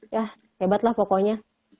ya hebat lah pokoknya